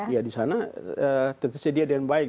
ya di sana ketersediaan baik